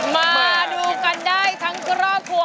มาดูกันได้ทั้งครอบครัว